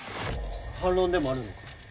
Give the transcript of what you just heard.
反論でもあるのか？